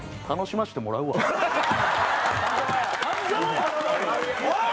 「楽しませてもらうわ」。